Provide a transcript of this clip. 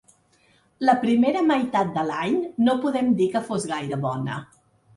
La primera meitat de l’any no podem dir que fos gaire bona.